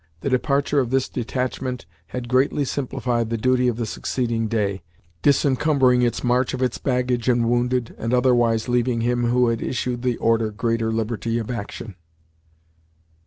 The departure of this detachment had greatly simplified the duty of the succeeding day, disencumbering its march of its baggage and wounded, and otherwise leaving him who had issued the order greater liberty of action.